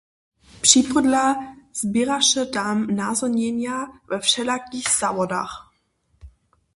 Připódla zběraše tam nazhonjenja we wšelakich zawodach.